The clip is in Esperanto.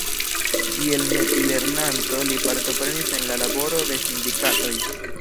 Kiel metilernanto li partoprenis en la laboro de sindikatoj.